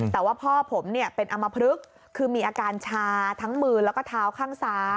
แต่ว่าพ่อผมเนี่ยเป็นอมพลึกคือมีอาการชาทั้งมือแล้วก็เท้าข้างซ้าย